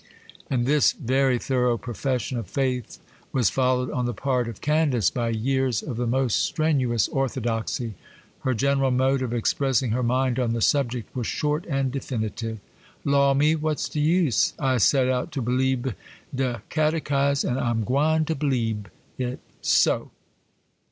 And this very thorough profession of faith was followed, on the part of Candace, by years of the most strenuous orthodoxy. Her general mode of expressing her mind on the subject was short and definitive. 'Law me! what's de use? I's set out to b'liebe de Catechize, an' I'm gwine to b'liebe it,—so!